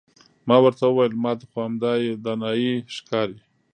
ما ورته وویل ما ته خو همدایې دانایي ښکاري.